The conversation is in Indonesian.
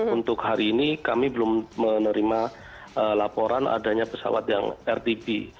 untuk hari ini kami belum menerima laporan adanya pesawat yang rtb